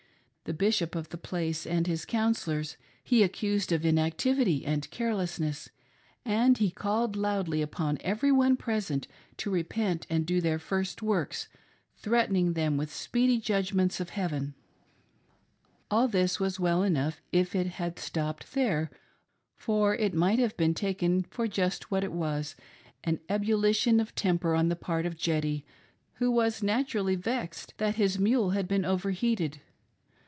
The Bishop of the place and his counsellors he accused of inactivity and carelessness ; and he called loudly upon every one present to repent and do their first works ; threatening them with the speedy judgments of Heaven. All this was well enough if it had stopped there, for it might have been taken for just what it was — an ebulition of temper on the part of "Jeddy" who was naturally vexed that his mule had been over heated.